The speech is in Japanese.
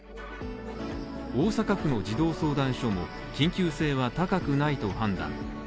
大阪府の児童相談所も、緊急性は高くないと判断。